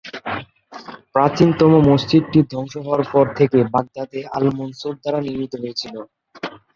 প্রাচীনতম মসজিদটি ধ্বংস হওয়ার পর থেকে বাগদাদে আল-মনসুর দ্বারা নির্মিত হয়েছিল।